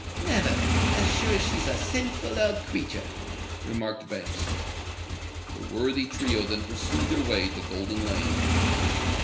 "Never—as sure as she's a sinful old creetur'!" remarked Banks. The worthy trio then pursued their way to Golden Lane.